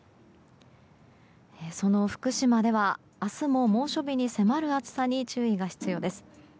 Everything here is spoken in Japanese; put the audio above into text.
その福島では明日も猛暑日に迫る暑さに注意が必要です。